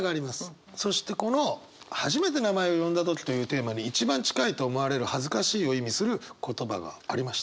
そしてこの初めて名前を呼んだ時というテーマに一番近いと思われる恥ずかしいを意味する言葉がありました。